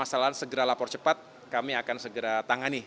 masalah segera lapor cepat kami akan segera tangani